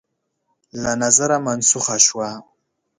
له نظره منسوخه شوه